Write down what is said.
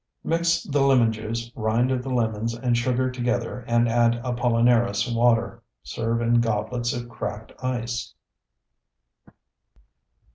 Mix the lemon juice, rind of the lemons, and sugar together and add Apollinaris water. Serve in goblets of cracked ice.